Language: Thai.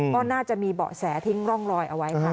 ก็น่าจะมีเบาะแสทิ้งร่องรอยเอาไว้ค่ะ